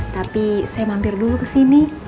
tapi saya mampir dulu kesini